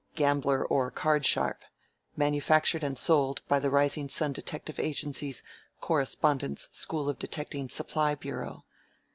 Gambler or Card Sharp. Manufactured and Sold by the Rising Sun Detective Agency's Correspondence School of Detecting Supply Bureau."